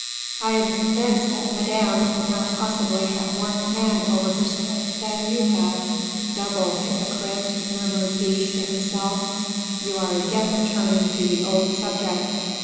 I am convinced that Madame could not possibly have more command over herself than you have." "Double hypocrite," murmured Guiche to himself, "you are again returning to the old subject."